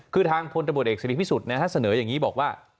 คือทางพลตบทเอกสริพิสุทธิ์เสนออย่างนี้บอกว่า